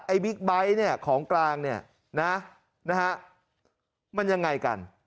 ไอ้บิ๊กไบท์ของกลางมันยังไงกัน